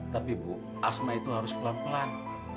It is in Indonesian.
tapi bu asma itu harus pelan pelan